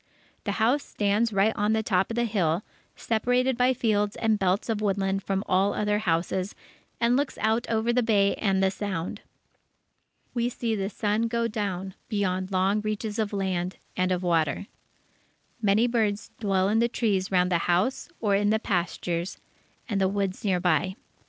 The house stands right on the top of the hill, separated by fields and belts of woodland from all other houses, and looks out over the Bay and the Sound. We see the sun go down beyond long reaches of land and of water. Many birds dwell in the trees round the house or in the pastures and the woods near by.